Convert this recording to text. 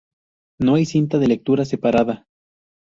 No hay cinta de lectura separada.